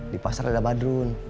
di pasar ada badrun